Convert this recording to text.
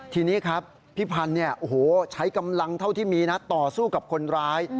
ทีนี้ครับพี่พันธ์ใช้กำลังเท่าที่มีนะต่อสู้กับคนร้าย